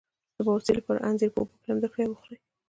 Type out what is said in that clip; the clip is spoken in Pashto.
د بواسیر لپاره انځر په اوبو کې لمد کړئ او وخورئ